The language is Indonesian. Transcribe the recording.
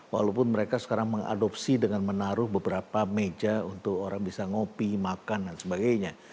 walaupun mereka sekarang mengadopsi dengan menaruh beberapa meja untuk orang bisa ngopi makan dan sebagainya